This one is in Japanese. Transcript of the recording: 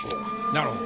なるほど。